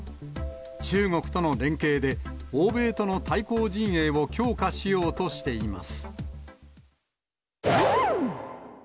中国との連携で、欧米との対抗陣営を強化しようとしています。